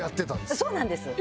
そうなんです。